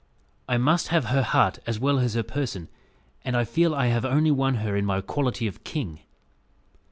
I must have her heart as well as her person; and I feel I have only won her in my quality of king."